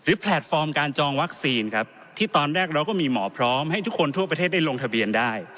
แพลตฟอร์มการจองวัคซีนครับที่ตอนแรกเราก็มีหมอพร้อมให้ทุกคนทั่วประเทศได้ลงทะเบียนได้